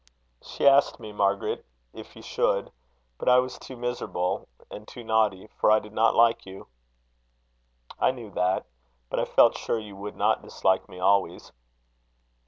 "She asked me, Margaret, if you should; but I was too miserable and too naughty, for I did not like you." "I knew that; but I felt sure you would not dislike me always."